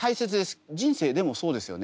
人生でもそうですよね。